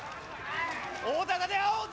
大高で会おうぞ！